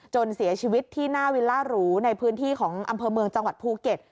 เสียชีวิตที่หน้าวิลล่าหรูในพื้นที่ของอำเภอเมืองจังหวัดภูเก็ต